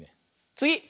つぎ！